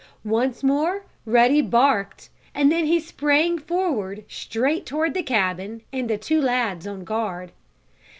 Once more Ruddy barked, and then he sprang forward, straight toward the cabin and the two lads on guard.